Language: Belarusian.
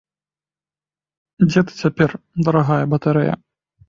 Дзе ты цяпер, дарагая батарэя?